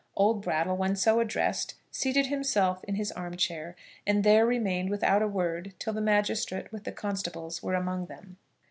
Old Brattle, when so addressed, seated himself in his arm chair, and there remained without a word till the magistrate with the constables were among them.